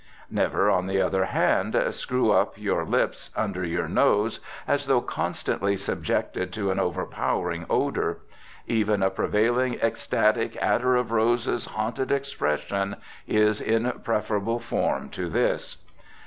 Never, on the other hand, screw up your lips under your nose, as though constantly subjected to an overpowering odor. Even a prevailing ecstatic, attar of roses haunted expression is in preferable form to this.